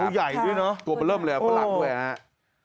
ตัวใหญ่ด้วยเนอะตัวประเริ่มเลยประหลักด้วยนะฮะ